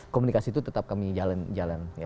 komunikasi itu tetap kami jalan jalan ya